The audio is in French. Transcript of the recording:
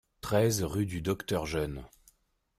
treize rue du Docteur Jeune